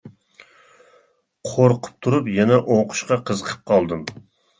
قورقۇپ تۇرۇپ يەنە ئوقۇشقا قىزىقىپ قالدىم.